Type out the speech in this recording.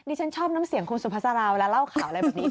ฉันชอบน้ำเสียงคุณสุภาษาราเวลาเล่าข่าวอะไรแบบนี้